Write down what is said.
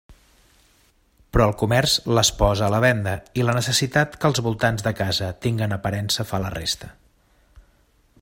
Però el comerç les posa a la venda, i la necessitat que els voltants de casa tinguen aparença fa la resta.